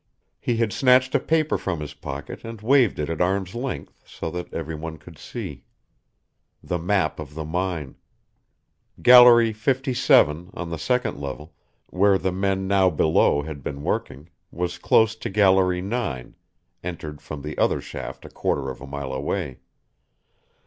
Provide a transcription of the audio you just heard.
He had snatched a paper from his pocket and waved it at arm's length so that everyone could see. The map of the mine. Gallery 57, on the second level, where the men now below had been working, was close to gallery 9, entered from the other shaft a quarter of a mile away.